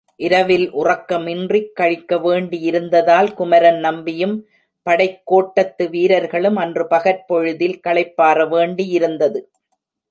இரவில் உறக்கமின்றி கழிக்க வேண்டியிருந்ததால் குமரன் நம்பியும் படைக் கோட்டத்து வீரர்களும், அன்று பகற் பொழுதில் களைப்பாற வேண்டியிருந்தது.